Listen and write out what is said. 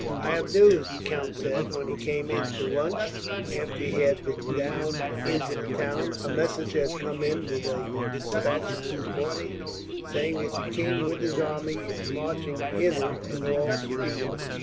"I have news," the count said, when he came in to lunch, after he had been down into the town; "a messenger has come in with a despatch this morning, saying that the king, with his army, is marching hither with all speed."